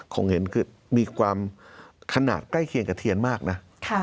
คงเห็นคือมีความขนาดใกล้เคียงกับเทียนมากนะ